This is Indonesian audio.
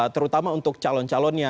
terutama untuk calon calonnya